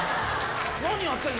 何やってんの？